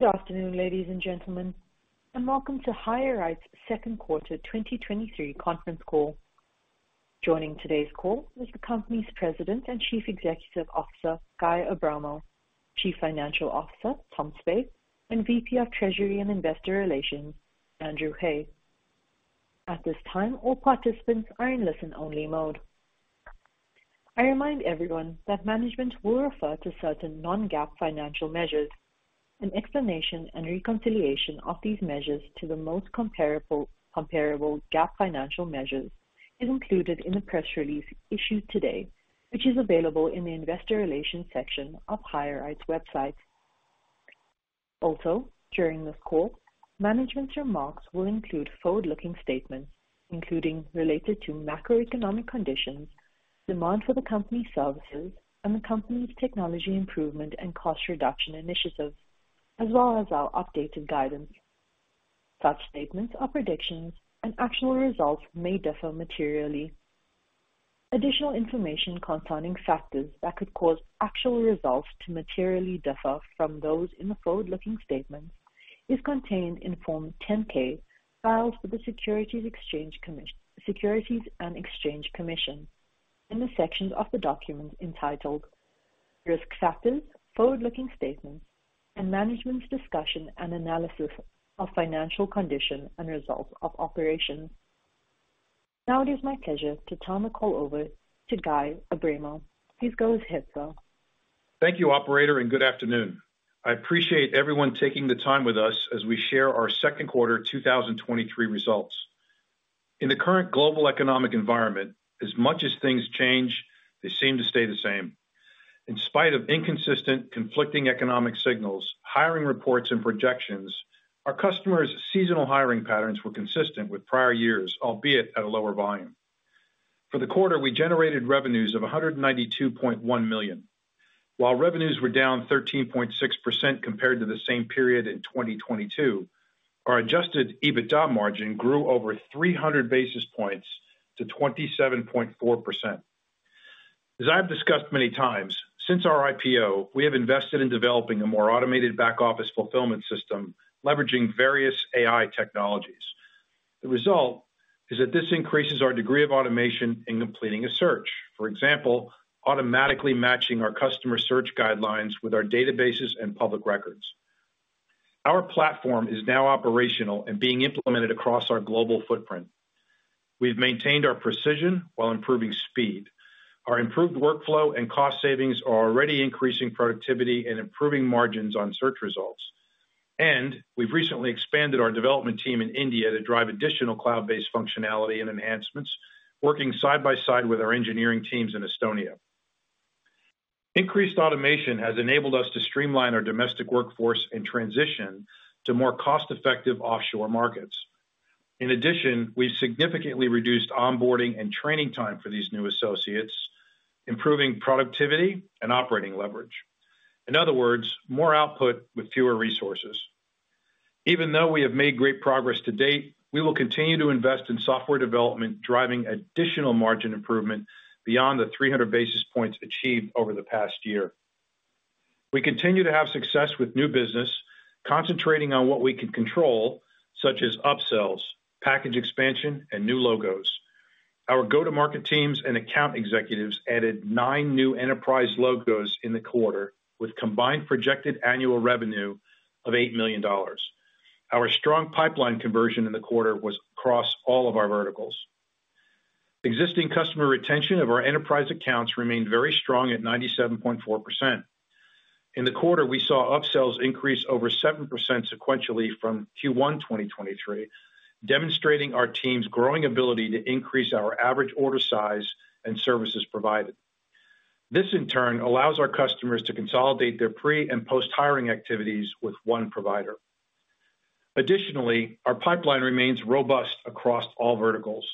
Good afternoon, ladies and gentlemen, welcome to HireRight's Second Quarter 2023 Conference Call. Joining today's call is the company's President and Chief Executive Officer, Guy Abramo, Chief Financial Officer, Tom Spaeth, and VP of Treasury and Investor Relations, Andrew Hay. At this time, all participants are in listen-only mode. I remind everyone that management will refer to certain non-GAAP financial measures. An explanation and reconciliation of these measures to the most comparable GAAP financial measures is included in the press release issued today, which is available in the investor relations section of HireRight's website. During this call, management's remarks will include forward-looking statements, including related to macroeconomic conditions, demand for the company's services, and the company's technology improvement and cost reduction initiatives, as well as our updated guidance. Such statements are predictions, and actual results may differ materially. Additional information concerning factors that could cause actual results to materially differ from those in the forward-looking statements is contained in Form 10-K, filed with the Securities Exchange Commission-- Securities and Exchange Commission, in the sections of the document entitled "Risk Factors, Forward-Looking Statements, and Management's Discussion and Analysis of Financial Condition and Results of Operations." Now, it is my pleasure to turn the call over to Guy Abramo. Please go ahead, sir. Thank you, operator. Good afternoon. I appreciate everyone taking the time with us as we share our second quarter 2023 results. In the current global economic environment, as much as things change, they seem to stay the same. In spite of inconsistent, conflicting economic signals, hiring reports and projections, our customers' seasonal hiring patterns were consistent with prior years, albeit at a lower volume. For the quarter, we generated revenues of $192.1 million. Revenues were down 13.6% compared to the same period in 2022, our Adjusted EBITDA margin grew over 300 basis points to 27.4%. As I've discussed many times, since our IPO, we have invested in developing a more automated back-office fulfillment system, leveraging various AI technologies. The result is that this increases our degree of automation in completing a search. For example, automatically matching our customer search guidelines with our databases and public records. Our platform is now operational and being implemented across our global footprint. We've maintained our precision while improving speed. Our improved workflow and cost savings are already increasing productivity and improving margins on search results. We've recently expanded our development team in India to drive additional cloud-based functionality and enhancements, working side by side with our engineering teams in Estonia. Increased automation has enabled us to streamline our domestic workforce and transition to more cost-effective offshore markets. In addition, we've significantly reduced onboarding and training time for these new associates, improving productivity and operating leverage. In other words, more output with fewer resources. Even though we have made great progress to date, we will continue to invest in software development, driving additional margin improvement beyond the 300 basis points achieved over the past year. We continue to have success with new business, concentrating on what we can control, such as upsells, package expansion, and new logos. Our go-to-market teams and account executives added nine new enterprise logos in the quarter, with combined projected annual revenue of $8 million. Our strong pipeline conversion in the quarter was across all of our verticals. Existing customer retention of our enterprise accounts remained very strong at 97.4%. In the quarter, we saw upsells increase over 7% sequentially from Q1 2023, demonstrating our team's growing ability to increase our average order size and services provided. This, in turn, allows our customers to consolidate their pre- and post-hiring activities with one provider. Additionally, our pipeline remains robust across all verticals.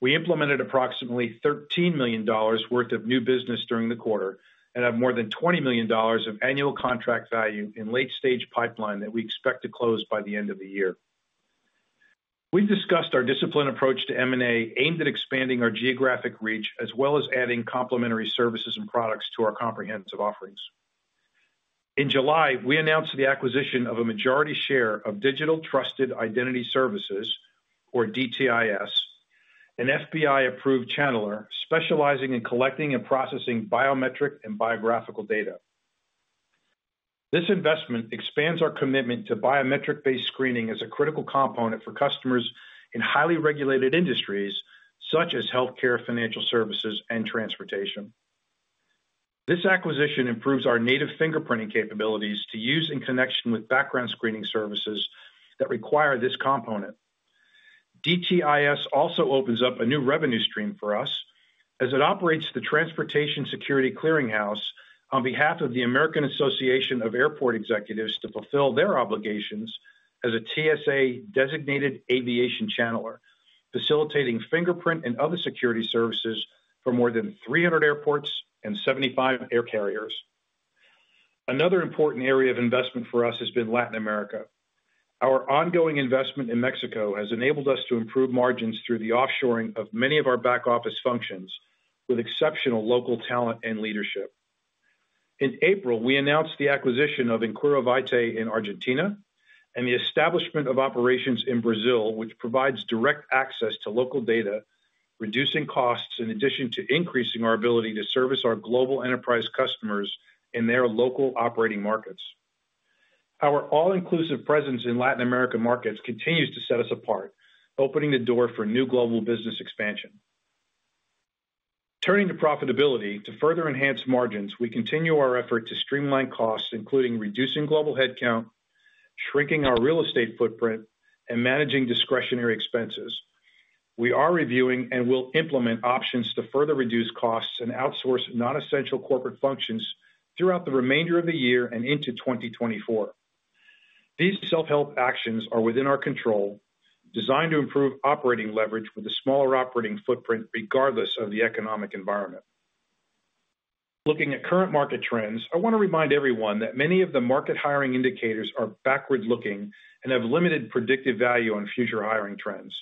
We implemented approximately $13 million worth of new business during the quarter and have more than $20 million of annual contract value in late-stage pipeline that we expect to close by the end of the year. We've discussed our disciplined approach to M&A, aimed at expanding our geographic reach, as well as adding complementary services and products to our comprehensive offerings. In July, we announced the acquisition of a majority share of Digital Trusted Identity Services, or DTIS, an FBI-approved channeler specializing in collecting and processing biometric and biographical data. This investment expands our commitment to biometric-based screening as a critical component for customers in highly regulated industries such as healthcare, financial services, and transportation. This acquisition improves our native fingerprinting capabilities to use in connection with background screening services that require this component. DTIS also opens up a new revenue stream for us as it operates the Transportation Security Clearinghouse on behalf of the American Association of Airport Executives to fulfill their obligations as a TSA-designated aviation channeler, facilitating fingerprint and other security services for more than 300 airports and 75 air carriers. Another important area of investment for us has been Latin America. Our ongoing investment in Mexico has enabled us to improve margins through the offshoring of many of our back office functions, with exceptional local talent and leadership. In April, we announced the acquisition of Inquiro Vitae in Argentina, and the establishment of operations in Brazil, which provides direct access to local data, reducing costs in addition to increasing our ability to service our global enterprise customers in their local operating markets. Our all-inclusive presence in Latin American markets continues to set us apart, opening the door for new global business expansion. Turning to profitability, to further enhance margins, we continue our effort to streamline costs, including reducing global headcount, shrinking our real estate footprint, and managing discretionary expenses. We are reviewing and will implement options to further reduce costs and outsource non-essential corporate functions throughout the remainder of the year and into 2024. These self-help actions are within our control, designed to improve operating leverage with a smaller operating footprint, regardless of the economic environment. Looking at current market trends, I want to remind everyone that many of the market hiring indicators are backward-looking and have limited predictive value on future hiring trends.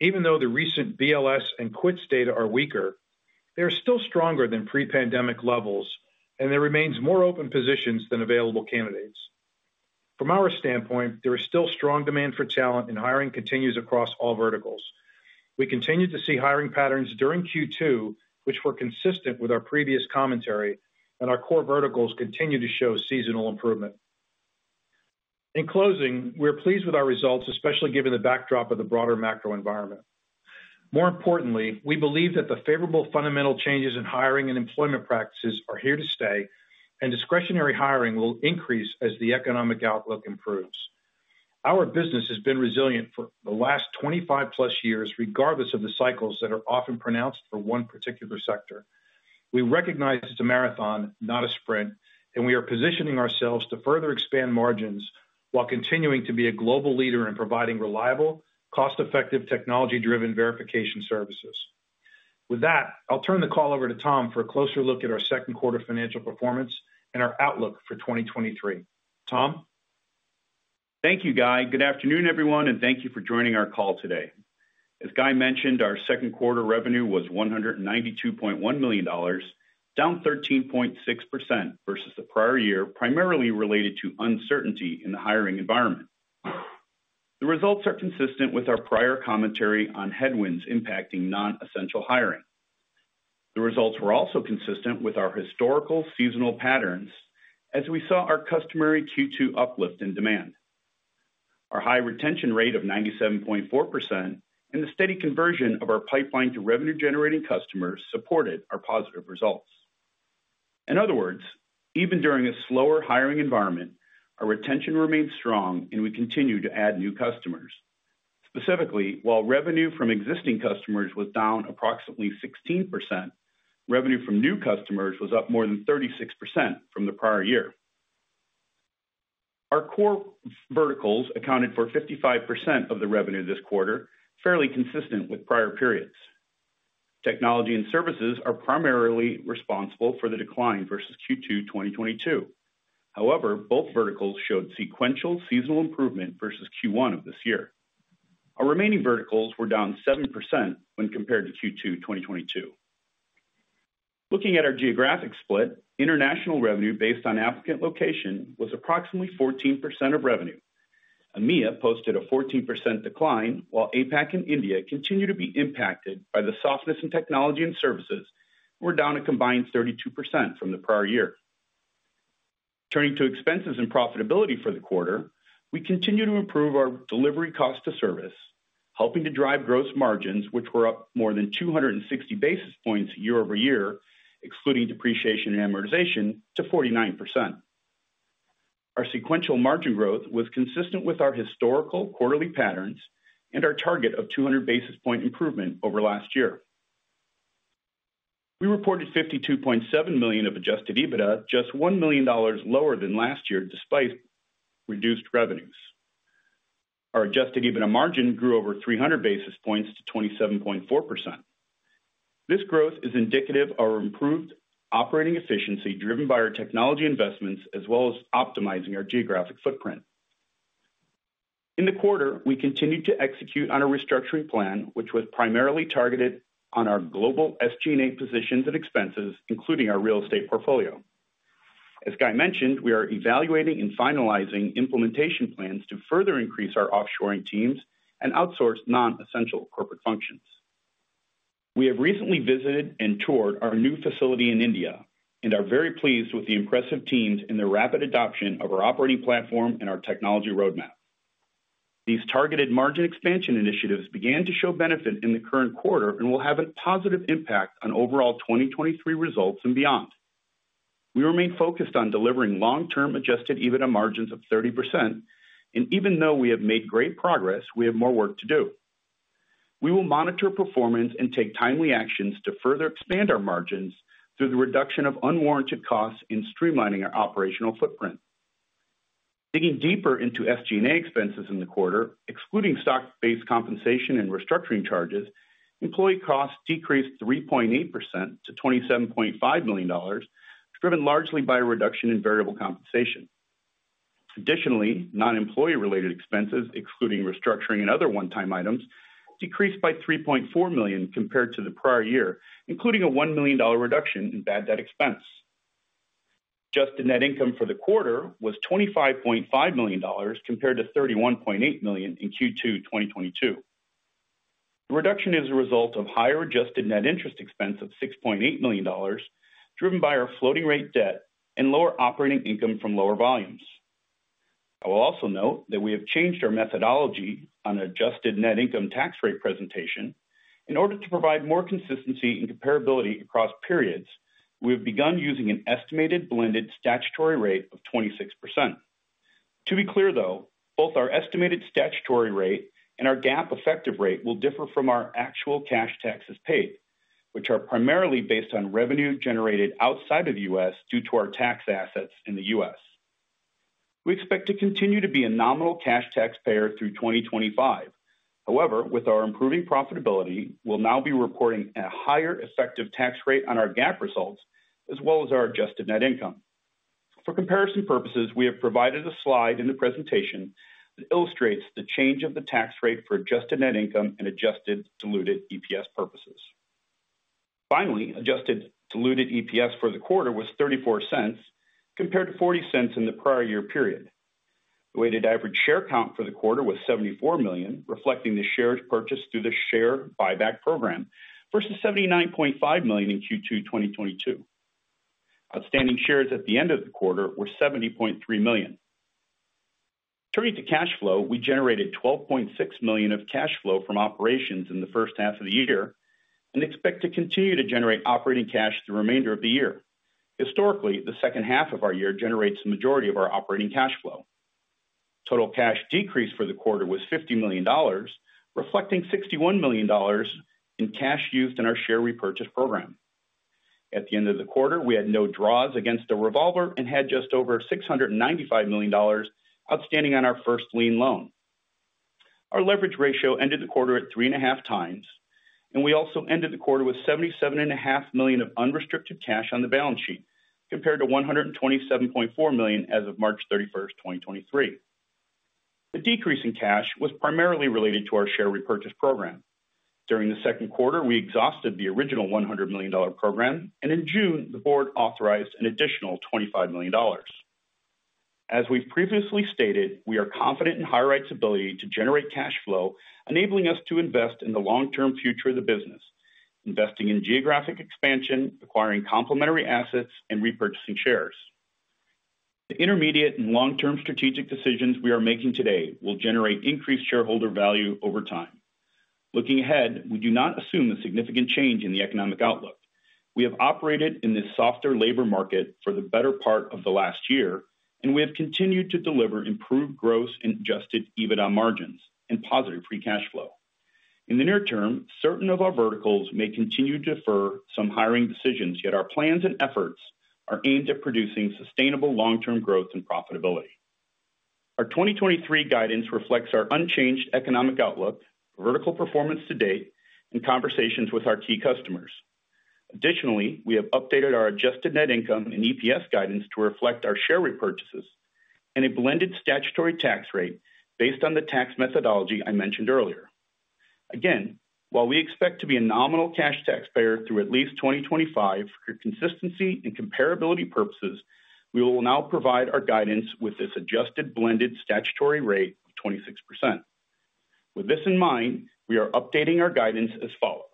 Even though the recent BLS and quits data are weaker, they are still stronger than pre-pandemic levels, and there remains more open positions than available candidates. From our standpoint, there is still strong demand for talent, and hiring continues across all verticals. We continue to see hiring patterns during Q2, which were consistent with our previous commentary, and our core verticals continue to show seasonal improvement. In closing, we're pleased with our results, especially given the backdrop of the broader macro environment. More importantly, we believe that the favorable fundamental changes in hiring and employment practices are here to stay, and discretionary hiring will increase as the economic outlook improves. Our business has been resilient for the last 25+ years, regardless of the cycles that are often pronounced for one particular sector. We recognize it's a marathon, not a sprint, and we are positioning ourselves to further expand margins while continuing to be a global leader in providing reliable, cost-effective, technology-driven verification services. With that, I'll turn the call over to Tom for a closer look at our second quarter financial performance and our outlook for 2023. Tom? Thank you, Guy. Good afternoon, everyone, thank you for joining our call today. As Guy mentioned, our second quarter revenue was $192.1 million, down 13.6% versus the prior year, primarily related to uncertainty in the hiring environment. The results are consistent with our prior commentary on headwinds impacting non-essential hiring. The results were also consistent with our historical seasonal patterns as we saw our customary Q2 uplift in demand. Our high retention rate of 97.4% and the steady conversion of our pipeline to revenue-generating customers supported our positive results. In other words, even during a slower hiring environment, our retention remains strong and we continue to add new customers. Specifically, while revenue from existing customers was down approximately 16%, revenue from new customers was up more than 36% from the prior year. Our core verticals accounted for 55% of the revenue this quarter, fairly consistent with prior periods. Technology and services are primarily responsible for the decline versus Q2, 2022. However, both verticals showed sequential seasonal improvement versus Q1 of this year. Our remaining verticals were down 7% when compared to Q2, 2022. Looking at our geographic split, international revenue based on applicant location was approximately 14% of revenue. EMEA posted a 14% decline, while APAC and India continue to be impacted by the softness in technology and services, were down a combined 32% from the prior year. Turning to expenses and profitability for the quarter, we continue to improve our delivery cost to service, helping to drive gross margins, which were up more than 260 basis points year-over-year, excluding depreciation and amortization, to 49%. Our sequential margin growth was consistent with our historical quarterly patterns and our target of 200 basis point improvement over last year. We reported $52.7 million of Adjusted EBITDA, just $1 million lower than last year, despite reduced revenues. Our Adjusted EBITDA margin grew over 300 basis points to 27.4%. This growth is indicative of our improved operating efficiency, driven by our technology investments, as well as optimizing our geographic footprint. In the quarter, we continued to execute on our restructuring plan, which was primarily targeted on our global SG&A positions and expenses, including our real estate portfolio. As Guy mentioned, we are evaluating and finalizing implementation plans to further increase our offshoring teams and outsource non-essential corporate functions. We have recently visited and toured our new facility in India and are very pleased with the impressive teams in their rapid adoption of our operating platform and our technology roadmap. These targeted margin expansion initiatives began to show benefit in the current quarter and will have a positive impact on overall 2023 results and beyond. We remain focused on delivering long-term Adjusted EBITDA margins of 30%. Even though we have made great progress, we have more work to do. We will monitor performance and take timely actions to further expand our margins through the reduction of unwarranted costs in streamlining our operational footprint. Digging deeper into SG&A expenses in the quarter, excluding stock-based compensation and restructuring charges, employee costs decreased 3.8% to $27.5 million, driven largely by a reduction in variable compensation. Additionally, non-employee related expenses, including restructuring and other one-time items, decreased by $3.4 million compared to the prior year, including a $1 million reduction in bad debt expense. Adjusted net income for the quarter was $25.5 million compared to $31.8 million in Q2 2022. The reduction is a result of higher adjusted net interest expense of $6.8 million, driven by our floating rate debt and lower operating income from lower volumes. I will also note that we have changed our methodology on adjusted net income tax rate presentation. In order to provide more consistency and comparability across periods, we have begun using an estimated blended statutory rate of 26%. To be clear, though, both our estimated statutory rate and our GAAP effective rate will differ from our actual cash taxes paid, which are primarily based on revenue generated outside of the U.S., due to our tax assets in the U.S. We expect to continue to be a nominal cash taxpayer through 2025. However, with our improving profitability, we'll now be reporting a higher effective tax rate on our GAAP results, as well as our adjusted net income. For comparison purposes, we have provided a slide in the presentation that illustrates the change of the tax rate for adjusted net income and adjusted diluted EPS purposes. Finally, adjusted diluted EPS for the quarter was $0.34, compared to $0.40 in the prior year period. The weighted average share count for the quarter was 74 million, reflecting the shares purchased through the share buyback program, versus 79.5 million in Q2 2022. Outstanding shares at the end of the quarter were 70.3 million. Turning to cash flow, we generated $12.6 million of cash flow from operations in the first half of the year and expect to continue to generate operating cash the remainder of the year. Historically, the second half of our year generates the majority of our operating cash flow. Total cash decrease for the quarter was $50 million, reflecting $61 million in cash used in our share repurchase program. At the end of the quarter, we had no draws against the revolver and had just over $695 million outstanding on our first lien loan. Our leverage ratio ended the quarter at 3.5x. We also ended the quarter with $77.5 million of unrestricted cash on the balance sheet, compared to $127.4 million as of March 31, 2023. The decrease in cash was primarily related to our share repurchase program. During the second quarter, we exhausted the original $100 million program. In June, the board authorized an additional $25 million. As we've previously stated, we are confident in HireRight's ability to generate cash flow, enabling us to invest in the long-term future of the business, investing in geographic expansion, acquiring complementary assets, and repurchasing shares. The intermediate and long-term strategic decisions we are making today will generate increased shareholder value over time. Looking ahead, we do not assume a significant change in the economic outlook. We have operated in this softer labor market for the better part of the last year, and we have continued to deliver improved gross and Adjusted EBITDA margins and positive free cash flow. In the near term, certain of our verticals may continue to defer some hiring decisions, yet our plans and efforts are aimed at producing sustainable long-term growth and profitability. Our 2023 guidance reflects our unchanged economic outlook, vertical performance to date, and conversations with our key customers. Additionally, we have updated our adjusted net income and EPS guidance to reflect our share repurchases and a blended statutory tax rate based on the tax methodology I mentioned earlier. While we expect to be a nominal cash taxpayer through at least 2025, for consistency and comparability purposes, we will now provide our guidance with this adjusted blended statutory rate of 26%. With this in mind, we are updating our guidance as follows: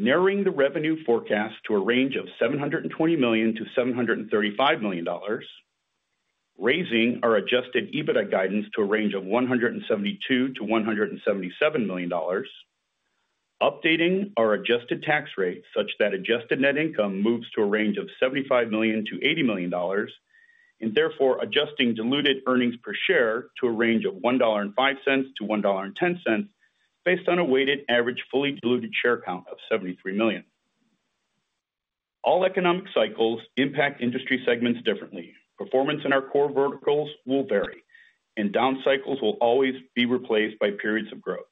narrowing the revenue forecast to a range of $720 million-$735 million, raising our Adjusted EBITDA guidance to a range of $172 million-$177 million, updating our adjusted tax rate such that adjusted net income moves to a range of $75 million-$80 million, and therefore adjusting diluted earnings per share to a range of $1.05-$1.10, based on a weighted average fully diluted share count of 73 million. All economic cycles impact industry segments differently. Performance in our core verticals will vary, and down cycles will always be replaced by periods of growth.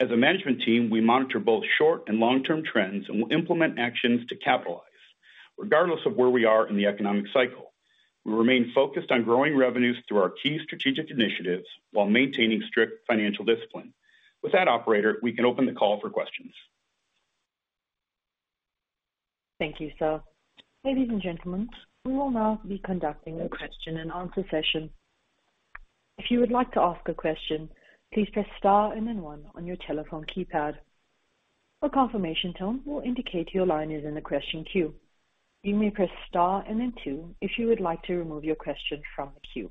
As a management team, we monitor both short and long-term trends and will implement actions to capitalize. Regardless of where we are in the economic cycle, we remain focused on growing revenues through our key strategic initiatives while maintaining strict financial discipline. With that operator, we can open the call for questions. Thank you, sir. Ladies and gentlemen, we will now be conducting a question-and-answer session. If you would like to ask a question, please press star and then one on your telephone keypad. A confirmation tone will indicate your line is in the question queue. You may press star and then two if you would like to remove your question from the queue.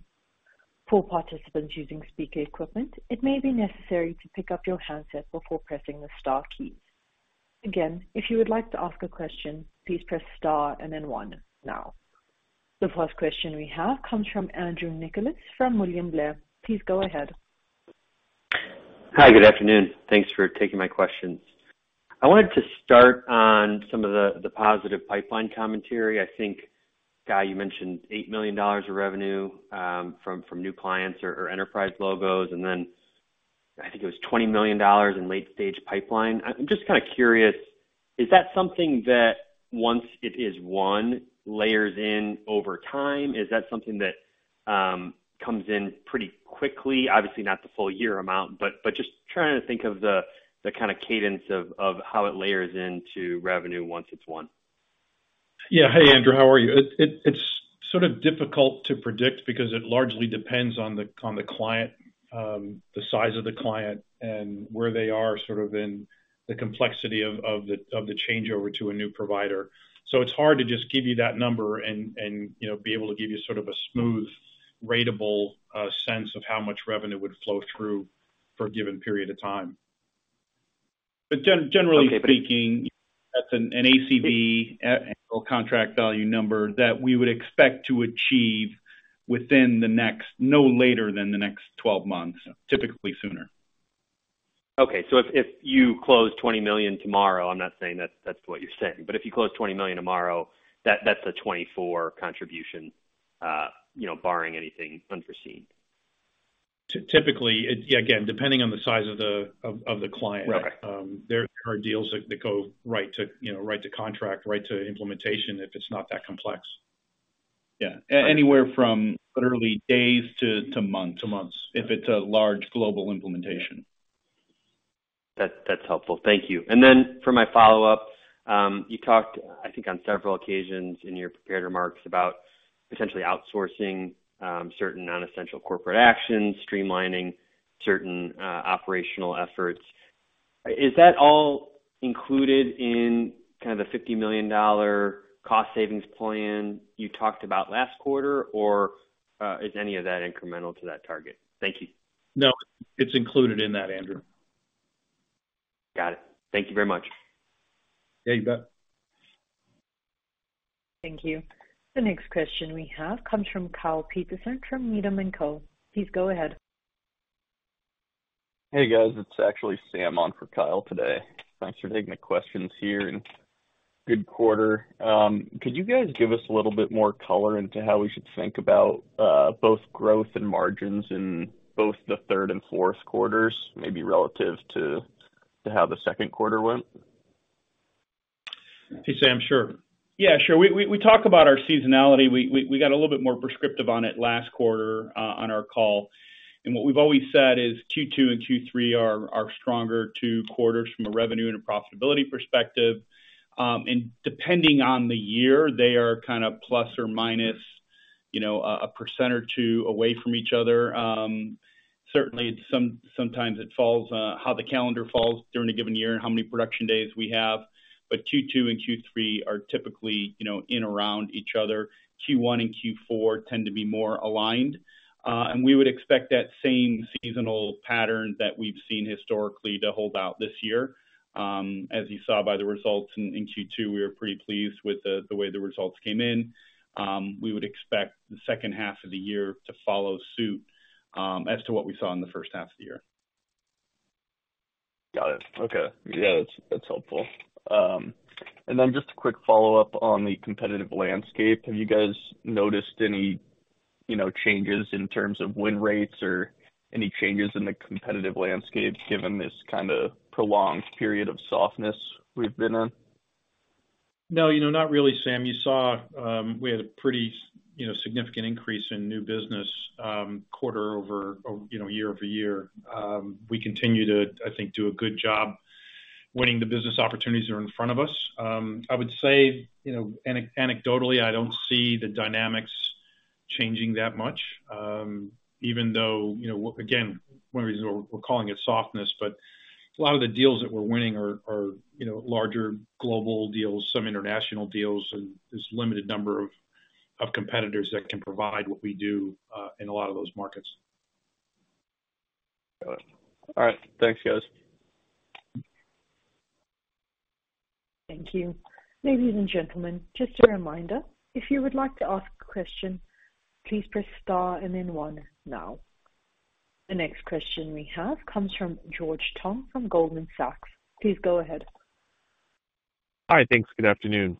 For participants using speaker equipment, it may be necessary to pick up your handset before pressing the star key. Again, if you would like to ask a question, please press star and then one now. The first question we have comes from Andrew Nicholas from William Blair. Please go ahead. Hi, good afternoon. Thanks for taking my questions. I wanted to start on some of the, the positive pipeline commentary. I think, Guy, you mentioned $8 million of revenue from, from new clients or, or enterprise logos, and then I think it was $20 million in late stage pipeline. I'm just kind of curious, is that something that once it is won, layers in over time? Is that something that comes in pretty quickly? Obviously, not the full year amount, but, but just trying to think of the, the kind of cadence of, of how it layers into revenue once it's won. Yeah. Hey, Andrew, how are you? It, it, it's sort of difficult to predict because it largely depends on the, on the client, the size of the client and where they are, sort of in the complexity of, of the, of the changeover to a new provider. It's hard to just give you that number and, and, you know, be able to give you sort of a smooth, ratable, sense of how much revenue would flow through for a given period of time. Generally. Okay. that's an ACV, annual contract value number that we would expect to achieve no later than the next 12 months, typically sooner. If, if you close $20 million tomorrow, I'm not saying that, that's what you're saying, but if you close $20 million tomorrow, that's a 24 contribution, you know, barring anything unforeseen. Typically, yeah, again, depending on the size of the client. Right. There are deals that, that go right to, you know, right to contract, right to implementation, if it's not that complex. Yeah. Right. Anywhere from literally days to, to months. To months. If it's a large global implementation. That, that's helpful. Thank you. For my follow-up, you talked, I think, on several occasions in your prepared remarks about essentially outsourcing certain non-essential corporate actions, streamlining certain operational efforts. Is that all included in kind of the $50 million cost savings plan you talked about last quarter? Is any of that incremental to that target? Thank you. No, it's included in that, Andrew. Got it. Thank you very much. Yeah, you bet. Thank you. The next question we have comes from Kyle Peterson from Needham & Company. Please go ahead. Hey, guys, it's actually Sam on for Kyle today. Thanks for taking the questions here, and good quarter. Could you guys give us a little bit more color into how we should think about both growth and margins in both the third and fourth quarters, maybe relative to, to how the second quarter went? Hey, Sam. Sure. Yeah, sure. We, we, we talked about our seasonality. We, we, we got a little bit more prescriptive on it last quarter, on our call. What we've always said is Q2 and Q3 are, are stronger two quarters from a revenue and a profitability perspective. Depending on the year, they are kind of plus or minus, you know, 1% or 2% away from each other. Certainly sometimes it falls, how the calendar falls during a given year and how many production days we have. Q2 and Q3 are typically, you know, in around each other. Q1 and Q4 tend to be more aligned. We would expect that same seasonal pattern that we've seen historically to hold out this year. As you saw by the results in, in Q2, we were pretty pleased with the, the way the results came in. We would expect the second half of the year to follow suit, as to what we saw in the first half of the year. Got it. Okay. Yeah, that's, that's helpful. Then just a quick follow-up on the competitive landscape. Have you guys noticed any, you know, changes in terms of win rates or any changes in the competitive landscape, given this kind of prolonged period of softness we've been in? No, you know, not really, Sam. You saw, we had a pretty, you know, significant increase in new business, quarter over, or, you know, year-over-year. We continue to, I think, do a good job winning the business opportunities that are in front of us. I would say, you know, anecdotally, I don't see the dynamics changing that much, even though, you know, again, one reason we're, we're calling it softness, but a lot of the deals that we're winning are, are, you know, larger global deals, some international deals, and there's limited number of, of competitors that can provide what we do, in a lot of those markets. Got it. All right. Thanks, guys. Thank you. Ladies and gentlemen, just a reminder, if you would like to ask a question, please press star and then one now. The next question we have comes from George Tong from Goldman Sachs. Please go ahead. Hi. Thanks. Good afternoon.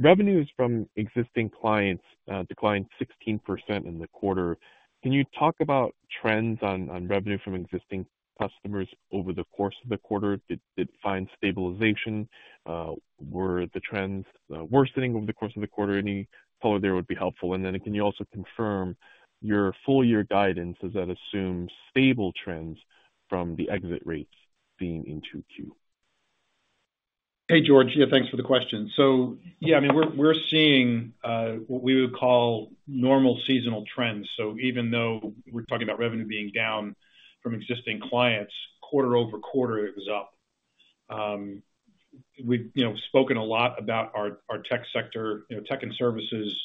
Revenues from existing clients, declined 16% in the quarter. Can you talk about trends on, on revenue from existing customers over the course of the quarter? Did it find stabilization? Were the trends worsening over the course of the quarter? Any color there would be helpful. Then can you also confirm your full year guidance, does that assume stable trends from the exit rates being in Q2? Hey, George. Yeah, thanks for the question. Yeah, I mean, we're, we're seeing what we would call normal seasonal trends. Even though we're talking about revenue being down from existing clients, quarter-over-quarter, it was up. We've, you know, spoken a lot about our, our tech sector. You know, tech and services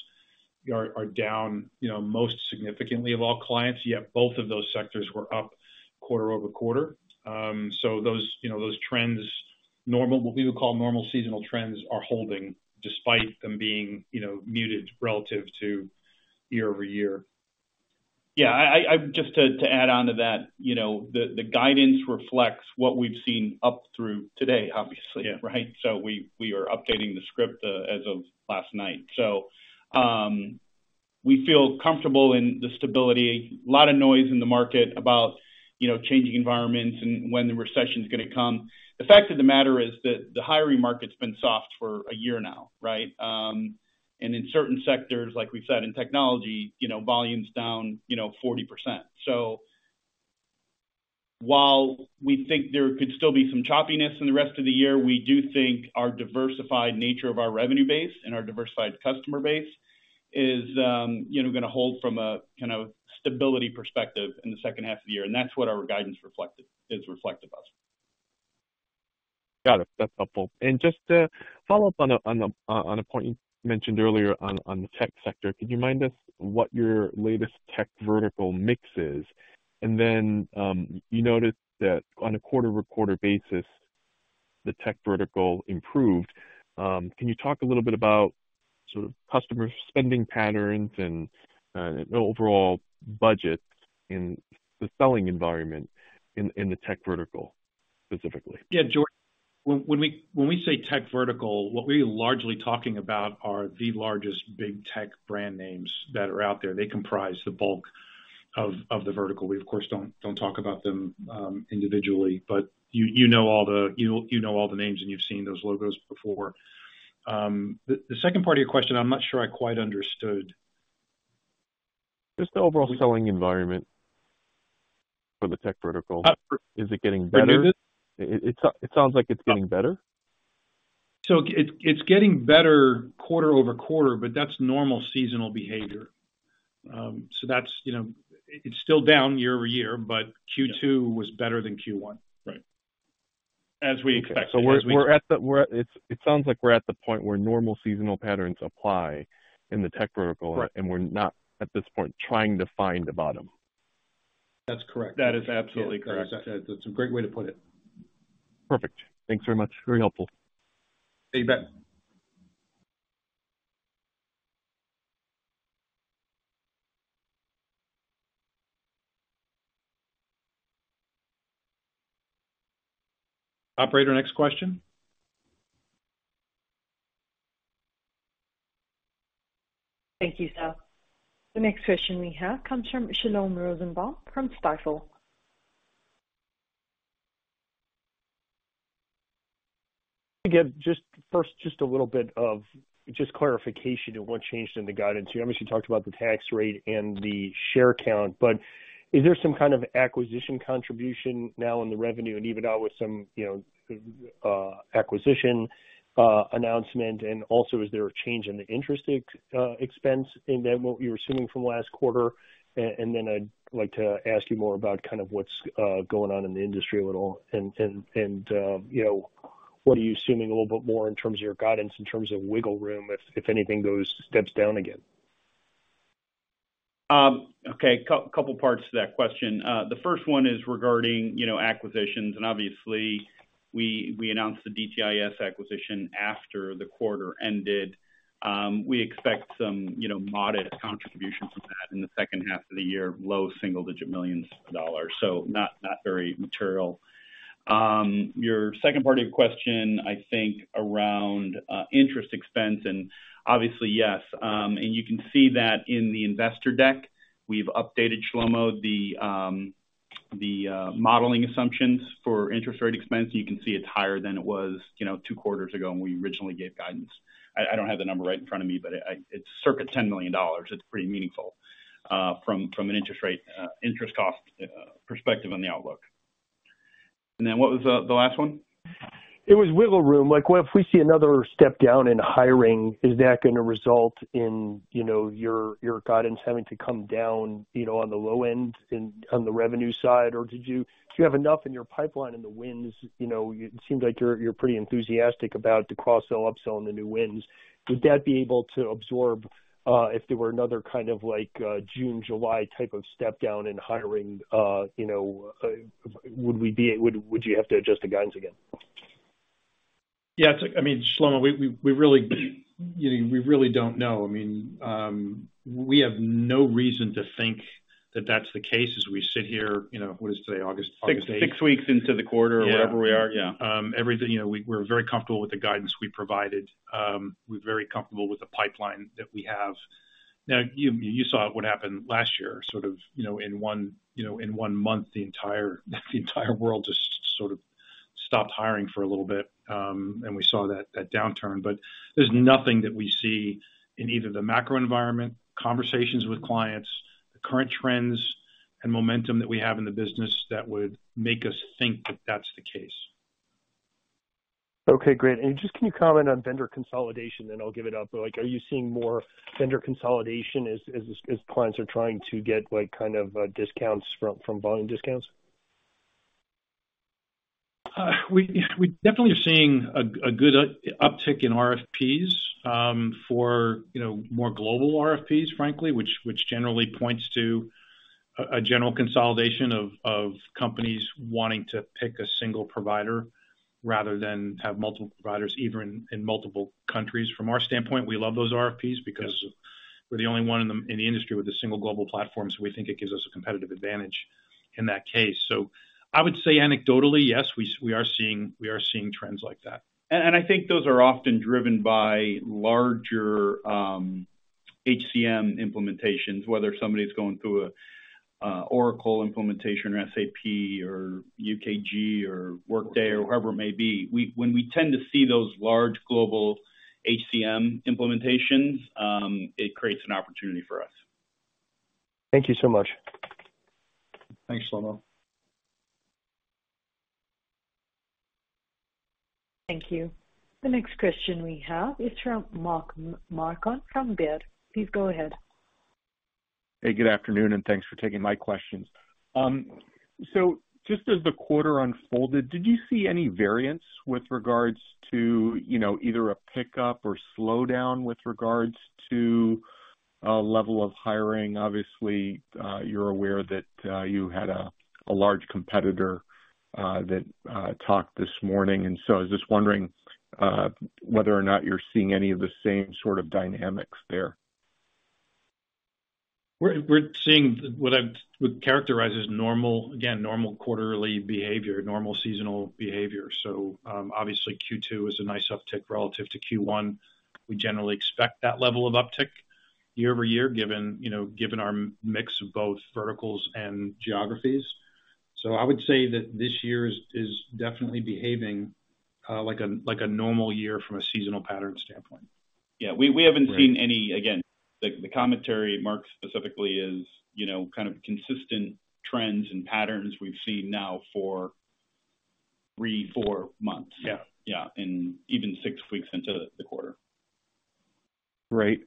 are, are down, you know, most significantly of all clients, yet both of those sectors were up quarter-over-quarter. Those, you know, those trends, what we would call normal seasonal trends, are holding despite them being, you know, muted relative to year-over-year. Yeah, I, I, just to, to add on to that, you know, the, the guidance reflects what we've seen up through today, obviously. Yeah. Right? We, we are updating the script as of last night. We feel comfortable in the stability. A lot of noise in the market about, you know, changing environments and when the recession is gonna come. The fact of the matter is that the hiring market's been soft for a year now, right? And in certain sectors, like we've said, in technology, you know, volume's down, you know, 40%. While we think there could still be some choppiness in the rest of the year, we do think our diversified nature of our revenue base and our diversified customer base is, you know, gonna hold from a kind of stability perspective in the second half of the year, and that's what our guidance reflected is reflective of. Got it. That's helpful. Just to follow up on a point you mentioned earlier on the tech sector, could you mind us what your latest tech vertical mix is? Then you noted that on a quarter-over-quarter basis, the tech vertical improved. Can you talk a little bit about sort of customer spending patterns and overall budget in the selling environment in the tech vertical, specifically? Yeah, George, when, when we, when we say tech vertical, what we're largely talking about are the largest big tech brand names that are out there. They comprise the bulk of, of the vertical. We, of course, don't, don't talk about them, individually, but you, you know all the, you, you know all the names, and you've seen those logos before. The, the second part of your question, I'm not sure I quite understood. Just the overall selling environment for the tech vertical. Uh. Is it getting better? It It, it, it sounds like it's getting better. It's getting better quarter-over-quarter, but that's normal seasonal behavior. That's, you know. It's still down year-over-year, Q2 was better than Q1. Right. As we expected. It sounds like we're at the point where normal seasonal patterns apply in the tech vertical. Right We're not, at this point, trying to find the bottom. That's correct. That is absolutely correct. That's a great way to put it. Perfect. Thanks very much. Very helpful. You bet. Operator, next question. Thank you, sir. The next question we have comes from Shlomo Rosenbaum from Stifel. Again, just first, just a little bit of just clarification on what changed in the guidance. You obviously talked about the tax rate and the share count, but is there some kind of acquisition contribution now in the revenue and even out with some, you know, acquisition announcement? Also, is there a change in the interest ex- expense in than what we were assuming from last quarter? Then I'd like to ask you more about kind of what's going on in the industry a little, and, and, and, you know, what are you assuming a little bit more in terms of your guidance, in terms of wiggle room, if, if anything steps down again? Okay, couple parts to that question. The first one is regarding, you know, acquisitions. Obviously, we announced the DTIS acquisition after the quarter ended. We expect some, you know, modest contributions of that in the second half of the year, low single digit millions of dollars. Not very material. Your second part of your question, I think, around interest expense. Obviously, yes, you can see that in the investor deck. We've updated, Shlomo, the modeling assumptions for interest rate expense. You can see it's higher than it was, you know, two quarters ago when we originally gave guidance. I don't have the number right in front of me, but it's circa $10 million. It's pretty meaningful from an interest rate, interest cost perspective on the outlook. Then what was the, the last one? It was wiggle room. Like, what if we see another step down in hiring, is that gonna result in, you know, your, your guidance having to come down, you know, on the low end in, on the revenue side? Do you have enough in your pipeline in the winds, you know, it seems like you're, you're pretty enthusiastic about the cross sell, upsell on the new wins? Would that be able to absorb, if there were another kind of like, June, July type of step down in hiring, you know, Would, would you have to adjust the guidance again? Yeah, it's, I mean, Shlomo, we, we, we really, you know, we really don't know. I mean, we have no reason to think that that's the case as we sit here, you know, what is today, August, August eighth? Six, six weeks into the quarter- Yeah Whatever we are, yeah. Everything, you know, we're very comfortable with the guidance we provided. We're very comfortable with the pipeline that we have. You, you saw what happened last year, sort of, you know, in one, you know, in one month, the entire, the entire world just sort of stopped hiring for a little bit, and we saw that, that downturn. There's nothing that we see in either the macro environment, conversations with clients, the current trends and momentum that we have in the business, that would make us think that that's the case. Okay, great. Just, can you comment on vendor consolidation, then I'll give it up. Like, are you seeing more vendor consolidation as clients are trying to get, like, kind of, discounts from volume discounts? We definitely are seeing a good uptick in RFPs for, you know, more global RFPs, frankly, which generally points to a general consolidation of companies wanting to pick a single provider rather than have multiple providers, even in multiple countries. From our standpoint, we love those RFPs because we're the only one in the industry with a single global platform, so we think it gives us a competitive advantage in that case. I would say anecdotally, yes, we are seeing, we are seeing trends like that. I think those are often driven by larger HCM implementations, whether somebody's going through a Oracle implementation or SAP or UKG or Workday or whoever it may be. When we tend to see those large global HCM implementations, it creates an opportunity for us. Thank you so much. Thanks, Shlomo. Thank you. The next question we have is from Mark Marcon from Baird. Please go ahead. Hey, good afternoon, and thanks for taking my questions. Just as the quarter unfolded, did you see any variance with regards to, you know, either a pickup or slowdown with regards to level of hiring? Obviously, you're aware that you had a large competitor that talked this morning, and so I was just wondering whether or not you're seeing any of the same sort of dynamics there. We're, we're seeing what would characterize as normal again, normal quarterly behavior, normal seasonal behavior. Obviously, Q2 is a nice uptick relative to Q1. We generally expect that level of uptick year-over-year, given, you know, given our mix of both verticals and geographies. I would say that this year is, is definitely behaving, like a, like a normal year from a seasonal pattern standpoint. Yeah, we, we haven't seen any... Again, the, the commentary, Mark, specifically is, you know, kind of consistent trends and patterns we've seen now for three, four months. Yeah. Yeah, even six weeks into the quarter. Great.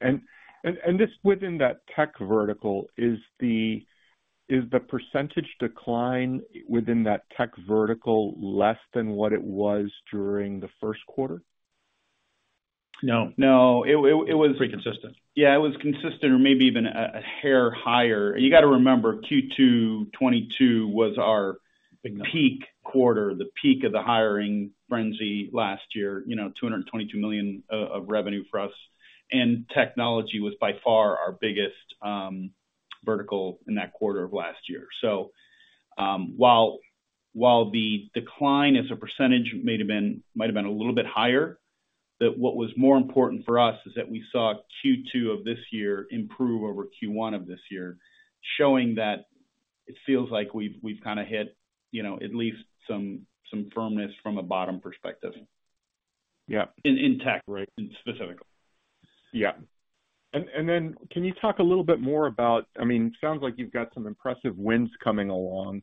This within that tech vertical, is the % decline within that tech vertical less than what it was during the first quarter? No. No, it was- Pretty consistent. Yeah, it was consistent or maybe even a, a hair higher. You gotta remember, Q2 2022 was our- Big peak.... peak quarter, the peak of the hiring frenzy last year, you know, $222 million of revenue for us, and technology was by far our biggest vertical in that quarter of last year. While, while the decline as a percentage may have been might have been a little bit higher, that what was more important for us is that we saw Q2 of this year improve over Q1 of this year, showing that it feels like we've, we've kinda hit, you know, at least some, some firmness from a bottom perspective. Yeah. In tech. Right... specifically. Yeah. Then can you talk a little bit more about. I mean, sounds like you've got some impressive wins coming along.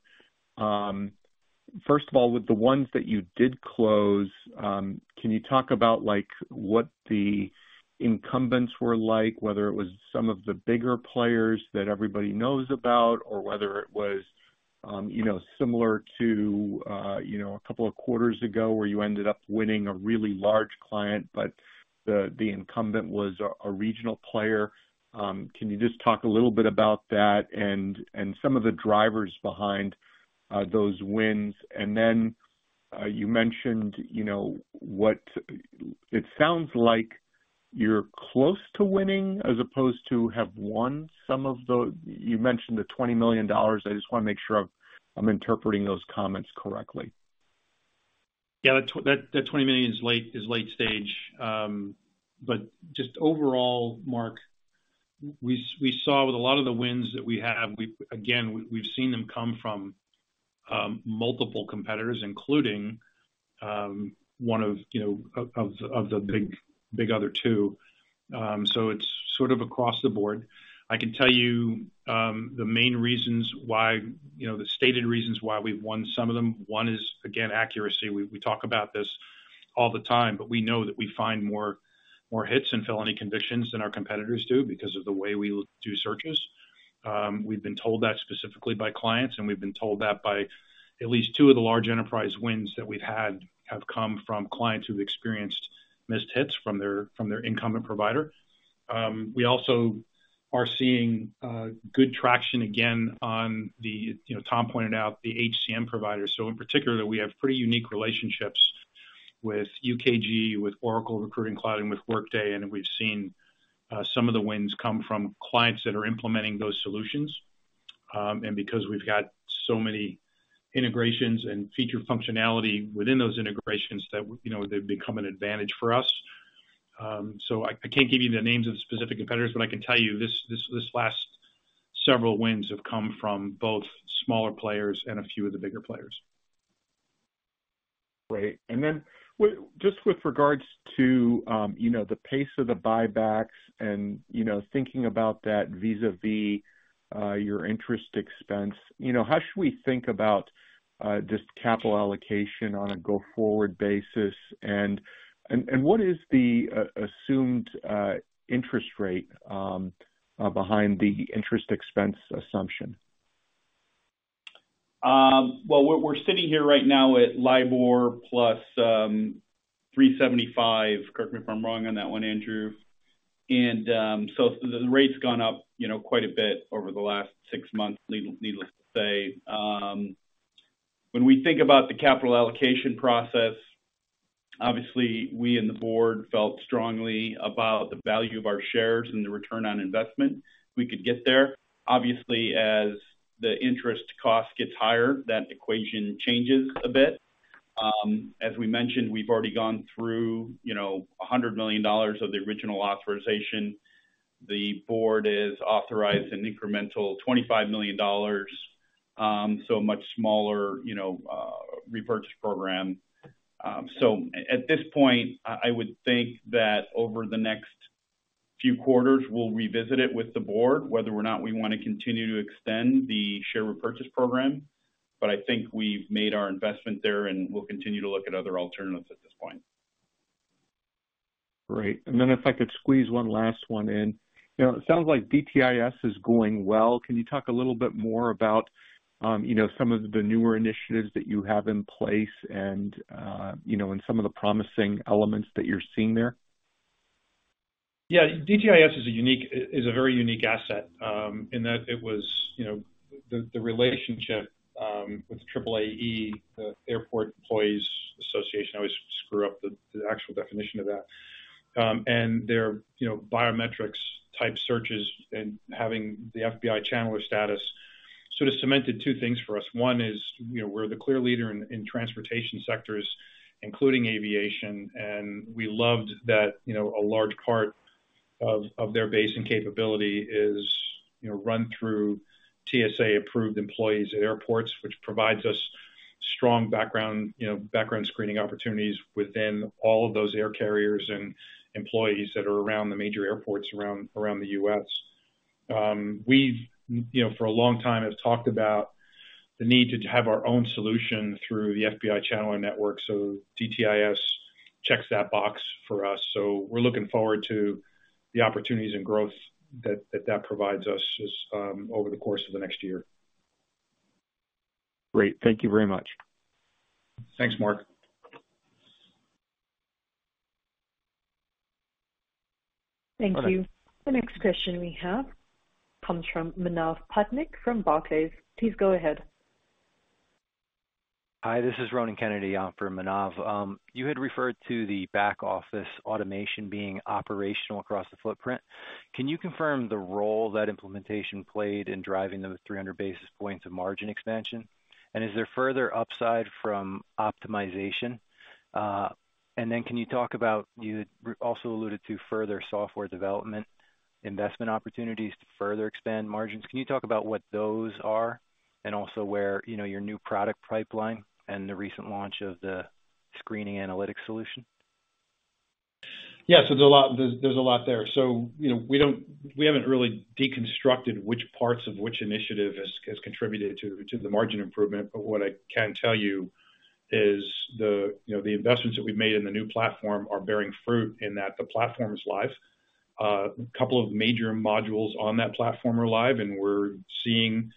First of all, with the ones that you did close, can you talk about, like, what the incumbents were like, whether it was some of the bigger players that everybody knows about, or whether it was, you know, similar to, you know, a couple of quarters ago, where you ended up winning a really large client, but the, the incumbent was a, a regional player. Can you just talk a little bit about that and some of the drivers behind those wins? Then you mentioned, you know, it sounds like you're close to winning as opposed to have won some of you mentioned the $20 million. I just wanna make sure I'm interpreting those comments correctly. Yeah, that that, that $20 million is late, is late stage. Just overall, Mark, we saw with a lot of the wins that we have, we've, again, we've seen them come from, multiple competitors, including, one of, you know, of, of the, of the big, big other two. It's sort of across the board. I can tell you, the main reasons why, you know, the stated reasons why we've won some of them. One is, again, accuracy. We, we talk about this all the time, but we know that we find more, more hits and felony convictions than our competitors do because of the way we do searches. We've been told that specifically by clients, and we've been told that by at least two of the large enterprise wins that we've had, have come from clients who've experienced missed hits from their, from their incumbent provider. We also are seeing good traction again on the, you know, Tom pointed out, the HCM providers. In particular, we have pretty unique relationships with UKG, with Oracle Recruiting Cloud, and with Workday, and we've seen some of the wins come from clients that are implementing those solutions. Because we've got so many integrations and feature functionality within those integrations that you know, they've become an advantage for us. I, I can't give you the names of the specific competitors, but I can tell you this, this, this last several wins have come from both smaller players and a few of the bigger players. Great. Just with regards to, you know, the pace of the buybacks and, you know, thinking about that vis-à-vis, your interest expense, you know, how should we think about just capital allocation on a go-forward basis? What is the assumed interest rate behind the interest expense assumption? Well, we're, we're sitting here right now at LIBOR plus, 3.75. Correct me if I'm wrong on that one, Andrew. The rate's gone up, you know, quite a bit over the last six months, needl- needless to say. When we think about the capital allocation process, obviously, we and the board felt strongly about the value of our shares and the return on investment we could get there. Obviously, as the interest cost gets higher, that equation changes a bit. As we mentioned, we've already gone through, you know, $100 million of the original authorization. The board has authorized an incremental $25 million, so a much smaller, you know, repurchase program. At this point, I, I would think that over the next few quarters, we'll revisit it with the board, whether or not we want to continue to extend the share repurchase program. I think we've made our investment there, and we'll continue to look at other alternatives at this point. Great. Then if I could squeeze one last one in. You know, it sounds like DTIS is going well. Can you talk a little bit more about, you know, some of the newer initiatives that you have in place and, you know, and some of the promising elements that you're seeing there? Yeah. DTIS is a very unique asset, in that it was, you know, the, the relationship, with AAAE, the American Association of Airport Executives, I always screw up the, the actual definition of that. Their, you know, biometrics-type searches and having the FBI channeler status sort of cemented two things for us. One is, you know, we're the clear leader in, in transportation sectors, including aviation, and we loved that, you know, a large part of, of their base and capability is, you know, run through TSA-approved employees at airports. Which provides us strong background, you know, background screening opportunities within all of those air carriers and employees that are around the major airports around, around the U.S. We've, you know, for a long time, have talked about the need to have our own solution through the FBI channel and network. DTIS checks that box for us. We're looking forward to the opportunities and growth that, that, that provides us as. Over the course of the next year. Great. Thank you very much. Thanks, Mark. Thank you. The next question we have comes from Manav Patnaik, from Barclays. Please go ahead. Hi, this is Ronan Kennedy, for Manav. You had referred to the back office automation being operational across the footprint. Can you confirm the role that implementation played in driving those 300 basis points of margin expansion? Is there further upside from optimization? Can you talk about, you also alluded to further software development investment opportunities to further expand margins. Can you talk about what those are, and also where, you know, your new product pipeline and the recent launch of the screening analytic solution? Yes, there's a lot, there's, there's a lot there. You know, we haven't really deconstructed which parts of which initiative has, has contributed to, to the margin improvement. What I can tell you is the, you know, the investments that we've made in the new platform are bearing fruit in that the platform is live. A couple of major modules on that platform are live, and we're seeing,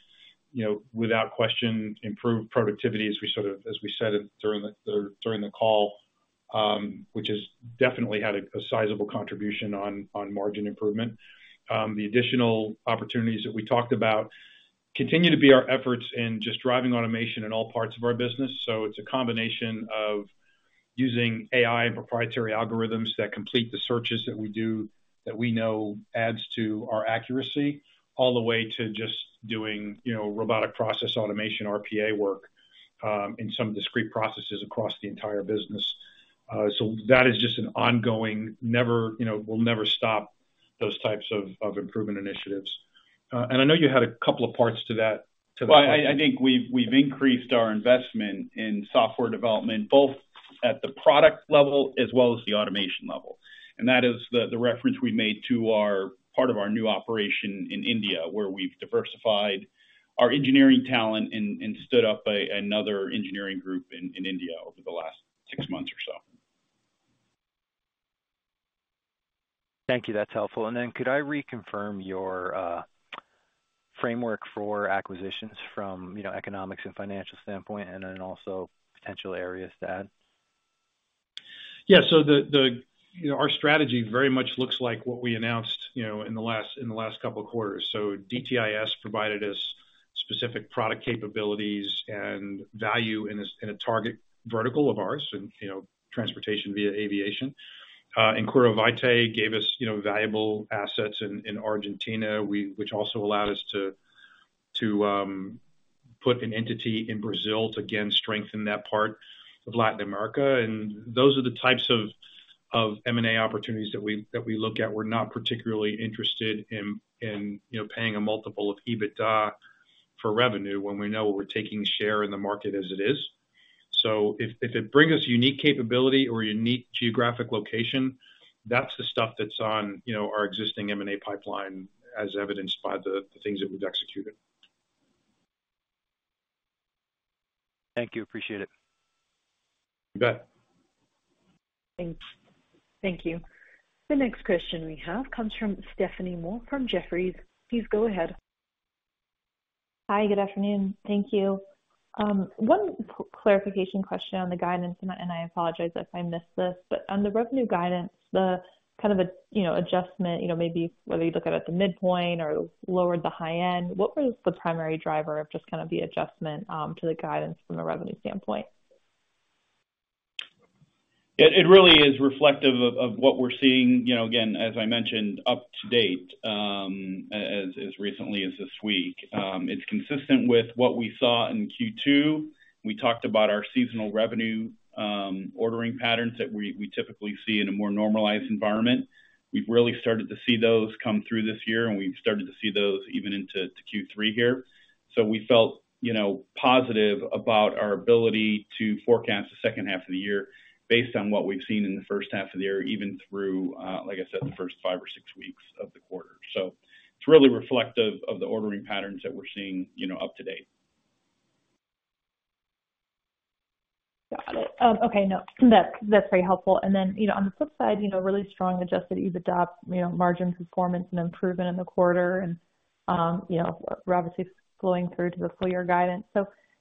you know, without question, improved productivity as we said it during the, during the call, which has definitely had a, a sizable contribution on, on margin improvement. The additional opportunities that we talked about continue to be our efforts in just driving automation in all parts of our business. It's a combination of using AI and proprietary algorithms that complete the searches that we do, that we know adds to our accuracy, all the way to just doing, you know, robotic process automation, RPA work, in some discrete processes across the entire business. That is just an ongoing, never, you know, we'll never stop those types of, of improvement initiatives. I know you had a couple of parts to that, to the. Well, I, I think we've, we've increased our investment in software development, both at the product level as well as the automation level. That is the, the reference we made to our, part of our new operation in India, where we've diversified our engineering talent and stood up another engineering group in India over the last six months or so. Thank you. That's helpful. Then could I reconfirm your framework for acquisitions from, you know, economics and financial standpoint and then also potential areas to add? You know, our strategy very much looks like what we announced, you know, in the last couple of quarters. DTIS provided us specific product capabilities and value in a target vertical of ours and, you know, transportation via aviation. Inquiro Vitae gave us, you know, valuable assets in Argentina, which also allowed us to put an entity in Brazil to again strengthen that part of Latin America. Those are the types of M&A opportunities that we look at. We're not particularly interested in, you know, paying a multiple of EBITDA for revenue when we know we're taking share in the market as it is. If, if it brings us unique capability or unique geographic location, that's the stuff that's on, you know, our existing M&A pipeline, as evidenced by the, the things that we've executed. Thank you. Appreciate it. You bet. Thank you. The next question we have comes from Stephanie Moore from Jefferies. Please go ahead. Hi, good afternoon. Thank you. One clarification question on the guidance, and I, and I apologize if I missed this. On the revenue guidance, the kind of the, you know, adjustment, you know, maybe whether you look at it at the midpoint or lower the high end, what was the primary driver of just kind of the adjustment to the guidance from a revenue standpoint? ... It, it really is reflective of, of what we're seeing, you know, again, as I mentioned, up to date, as, as recently as this week. It's consistent with what we saw in Q2. We talked about our seasonal revenue, ordering patterns that we, we typically see in a more normalized environment. We've really started to see those come through this year, and we've started to see those even into to Q3 here. We felt, you know, positive about our ability to forecast the second half of the year based on what we've seen in the first half of the year, even through, like I said, the first five or six weeks of the quarter. It's really reflective of the ordering patterns that we're seeing, you know, up to date. Got it. Okay, no, that's, that's very helpful. You know, on the flip side, you know, really strong adjusted EBITDA, you know, margin performance and improvement in the quarter and, you know, obviously flowing through to the full year guidance.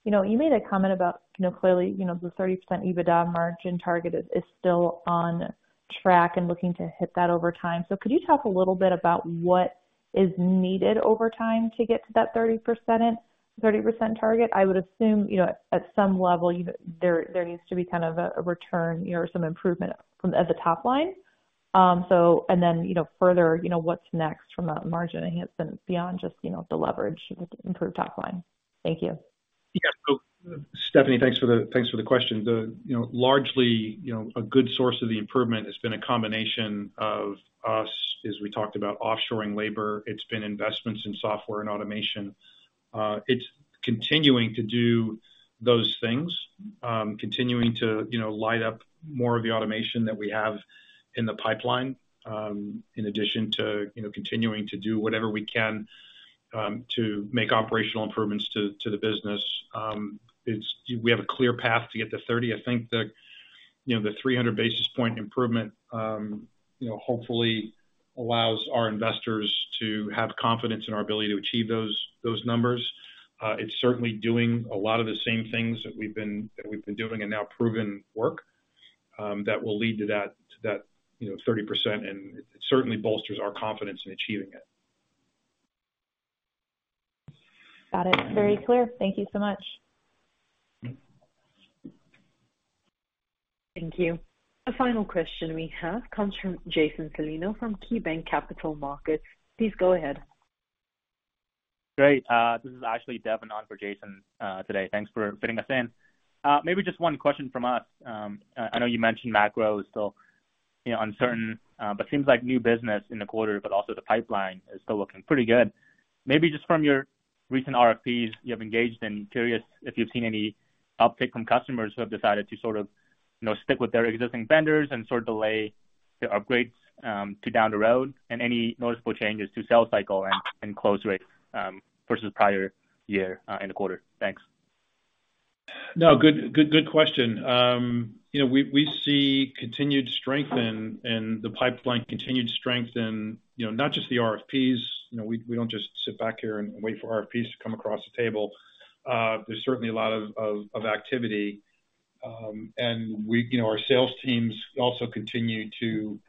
You know, you made a comment about, you know, clearly, you know, the 30% EBITDA margin target is, is still on track and looking to hit that over time. Could you talk a little bit about what is needed over time to get to that 30%, 30% target? I would assume, you know, at some level, there, there needs to be kind of a, a return, you know, or some improvement from at the top line. You know, further, you know, what's next from that margin enhancement beyond just, you know, the leverage to improve top line? Thank you. Yeah. Stephanie, thanks for the, thanks for the question. The, you know, largely, you know, a good source of the improvement has been a combination of us, as we talked about, offshoring labor. It's been investments in software and automation. It's continuing to do those things, continuing to, you know, light up more of the automation that we have in the pipeline, in addition to, you know, continuing to do whatever we can, to make operational improvements to, to the business. It's- we have a clear path to get to 30. I think the, you know, the 300 basis point improvement, you know, hopefully allows our investors to have confidence in our ability to achieve those, those numbers. It's certainly doing a lot of the same things that we've been, that we've been doing and now proven work, that will lead to that, to that, you know, 30%, and it certainly bolsters our confidence in achieving it. Got it. Very clear. Thank you so much. Thank you. The final question we have comes from Jason Celino from KeyBanc Capital Markets. Please go ahead. Great, this is actually Devon on for Jason today. Thanks for fitting us in. Maybe just one question from us. I, I know you mentioned macro is still, you know, uncertain, but seems like new business in the quarter, but also the pipeline is still looking pretty good. Maybe just from your recent RFPs you have engaged in, curious if you've seen any uptick from customers who have decided to sort of, you know, stick with their existing vendors and sort of delay the upgrades to down the road, and any noticeable changes to sales cycle and, and close rates versus prior year in the quarter? Thanks. No, good, good, good question. You know, we, we see continued strength in, in the pipeline, continued strength in, you know, not just the RFPs. You know, we, we don't just sit back here and wait for RFPs to come across the table. There's certainly a lot of, of, of activity, and we, you know, our sales teams also continue to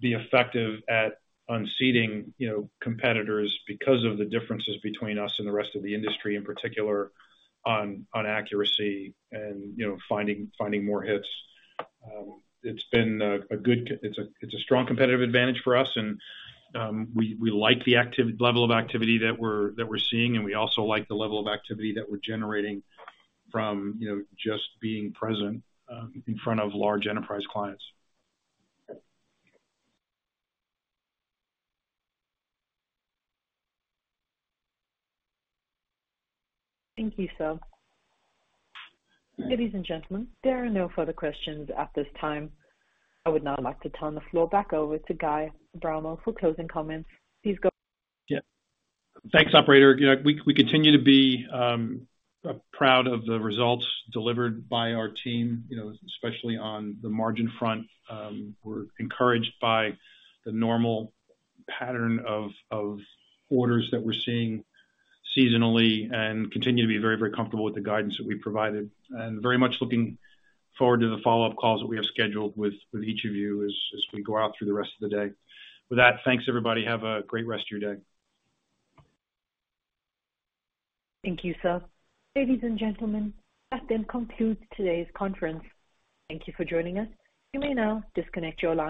be effective at unseating, you know, competitors because of the differences between us and the rest of the industry, in particular on, on accuracy and, you know, finding, finding more hits. It's been a, a good. It's a, it's a strong competitive advantage for us, and we, we like the level of activity that we're, that we're seeing, and we also like the level of activity that we're generating from, you know, just being present, in front of large enterprise clients. Thank you, sir. Ladies and gentlemen, there are no further questions at this time. I would now like to turn the floor back over to Guy Abramo for closing comments. Please go. Yeah. Thanks, operator. You know, we, we continue to be proud of the results delivered by our team, you know, especially on the margin front. We're encouraged by the normal pattern of, of orders that we're seeing seasonally and continue to be very, very comfortable with the guidance that we provided. Very much looking forward to the follow-up calls that we have scheduled with, with each of you as, as we go out through the rest of the day. With that, thanks, everybody. Have a great rest of your day. Thank you, sir. Ladies and gentlemen, that then concludes today's conference. Thank you for joining us. You may now disconnect your lines.